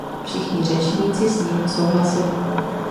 Všichni řečníci s ním souhlasili.